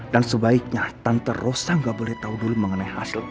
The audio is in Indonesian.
dan sebaiknya tante rosa nggak boleh tahu dulu mengenai hasil